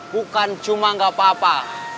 bukan cuma nggak apa apa